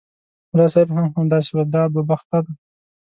ملا صاحب هم همداسې ویل دا دوه بخته دي.